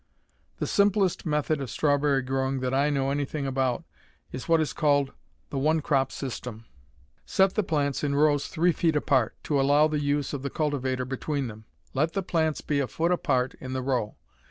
The simplest method of strawberry growing that I know anything about is what is called the "one crop system." Set the plants in rows three feet apart, to allow the use of the cultivator between them. Let the plants be a foot apart in the row.